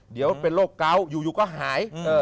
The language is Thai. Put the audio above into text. เดี๋ยวเป็นโรคเก้าอยู่ก็หาย